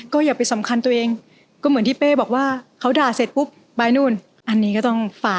ก็คือเหมือนแบบว่า